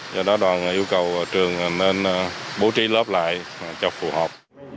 do đó đoàn yêu cầu trường nên bố trí lớp lại cho phù hợp